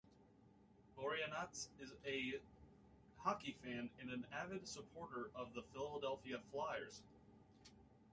Boreanaz is a hockey fan and an avid supporter of the Philadelphia Flyers.